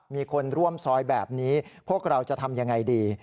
มีคนร่วมซอยแบบนี้พวกเราจะทำยังไงดี